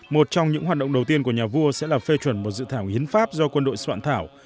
một trong những hoạt động đầu tiên của nhà vua sẽ là phê chuẩn một dự thảo hiến pháp do quân đội soạn thảo